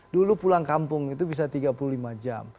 dulu pulang kampung itu bisa tiga puluh lima jam